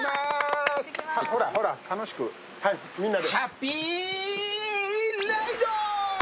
ほらほら楽しく、みんなで。